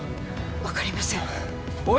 分かりませんおい